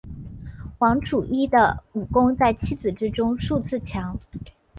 王处一的武功在七子之中数次强。